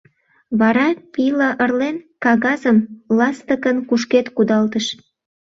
Вара, пийла ырлен, кагазым ластыкын кушкед кудалтыш.